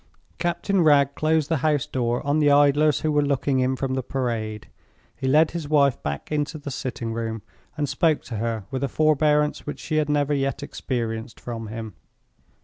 Captain Wragge closed the house door on the idlers who were looking in from the Parade. He led his wife back into the sitting room, and spoke to her with a forbearance which she had never yet experienced from him.